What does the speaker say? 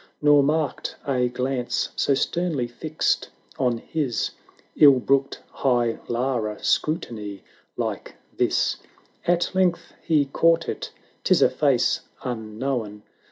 Nor marked a glance so sternly fixed on his — 111 brooked high Lara scrutiny like this: At length he caught it — 'tis a face un known.